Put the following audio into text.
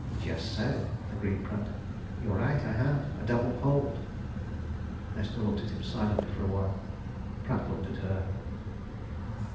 "Just so," agreed Pratt. "You're right, I have a double hold." Nesta looked at him silently for a while: Pratt looked at her.